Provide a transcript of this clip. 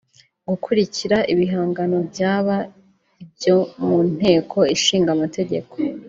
gukurikira ibaganiro byaba ibyo mu nteko Ishinga Amategeko